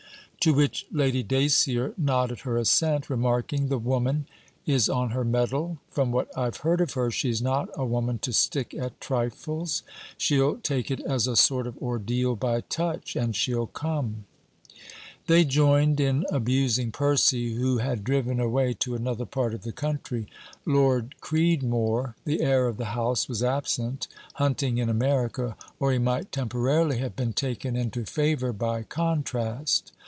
To which Lady Dacier nodded her assent, remarking, 'The woman is on her mettle. From what I've heard of her, she's not a woman to stick at trifles. She'll take it as a sort of ordeal by touch, and she 'll come.' They joined in abusing Percy, who had driven away to another part of the country. Lord Creedmore, the heir of the house, was absent, hunting in America, or he might temporarily have been taken into favour by contrast.